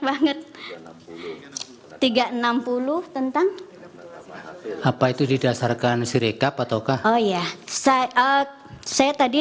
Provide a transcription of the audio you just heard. banget kak tiga ratus enam puluh tentang apa itu didasarkan sirekap ataukah oh ya siap watch saya tadi